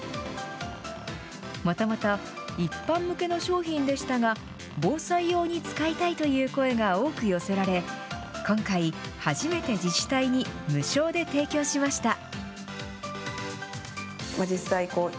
もともと一般向けの商品でしたが、防災用に使いたいという声が多く寄せられ、今回、初めて自治体に無償で提供しました。